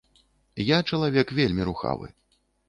Я чалавек вельмі рухавы.